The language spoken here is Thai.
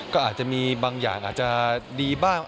ก็อาจจะมีบางอย่างอาจจะดีบ้าง